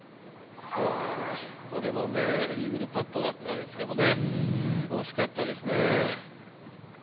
これもイーグルパットだったんですけど、惜しかったですね。